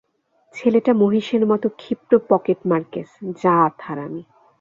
ছেলেটা মহিষের মতো ক্ষিপ্র পকেটমার কেস, জাত হারামি।